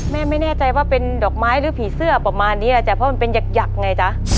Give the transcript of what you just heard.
แม่ไม่แน่ใจว่าเป็นดอกไม้หรือผีเสื้อประมาณนี้จ้ะเพราะมันเป็นหยักไงจ๊ะ